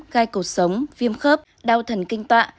gai cột sống viêm khớp đau thần kinh tọa